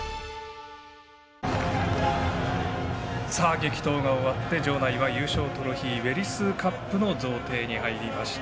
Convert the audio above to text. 激闘が終わって場内は優勝トロフィーエリス・カップの授与に入りました。